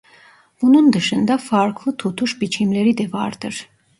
Bunun dışında farklı tutuş biçimleri de vardır.